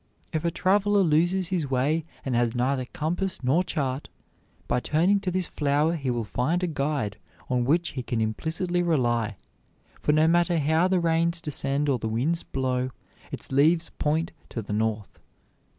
If a traveler loses his way and has neither compass nor chart, by turning to this flower he will find a guide on which he can implicitly rely; for no matter how the rains descend or the winds blow, its leaves point to the north.